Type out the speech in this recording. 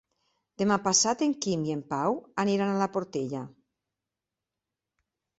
Demà passat en Quim i en Pau aniran a la Portella.